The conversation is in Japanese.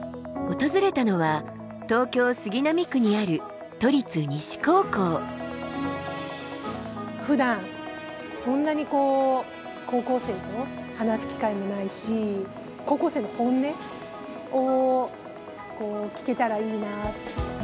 訪れたのは東京杉並区にあるふだんそんなに高校生と話す機会もないし高校生の本音を聞けたらいいなあ。